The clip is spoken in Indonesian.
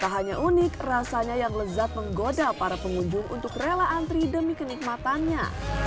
tak hanya unik rasanya yang lezat menggoda para pengunjung untuk rela antri demi kenikmatannya